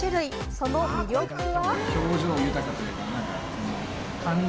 その魅力は。